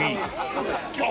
そうです。